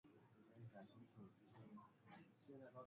绝杀，减灶马陵自刎，成竖子矣